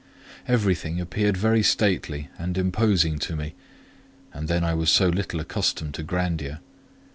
Everything appeared very stately and imposing to me; but then I was so little accustomed to grandeur.